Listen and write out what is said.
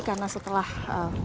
karena saya juga ikut berpengalaman